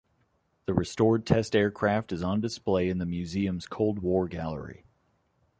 The restored test aircraft is on display in the museum's "Cold War Gallery".